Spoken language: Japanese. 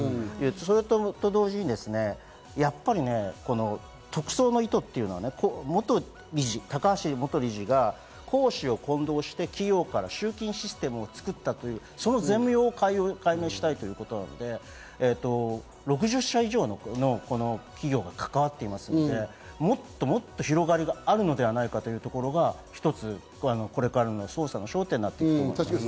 それと同時にやっぱり特捜の人というのは高橋元事理が公私を混同して金融システムを作ったというその全容を解明したいということで６０社以上の企業が関わっていますので、もっともっと広がりがあるのではないかというところが一つ、これからの捜査の焦点になるのかなと。